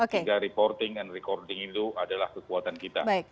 sehingga reporting and recording itu adalah kekuatan kita